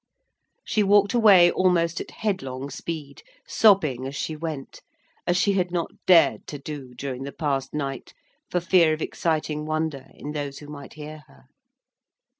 She walked away almost at headlong speed; sobbing as she went, as she had not dared to do during the past night for fear of exciting wonder in those who might hear her.